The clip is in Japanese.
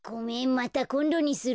またこんどにする。